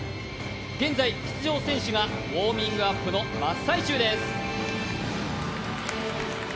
現在、出場選手はウォーミングアップの真っ最中です。